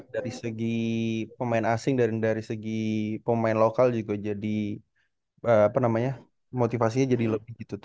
dari segi pemain asing dari segi pemain lokal juga jadi motivasinya jadi lebih gitu